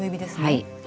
はい。